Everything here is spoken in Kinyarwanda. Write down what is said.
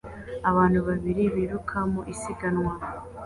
Abantu babiri biruka mu isiganwa